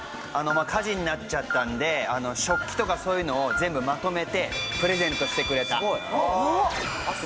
火事になっちゃったんで食器とかそういうのを全部まとめてプレゼントしてくれた。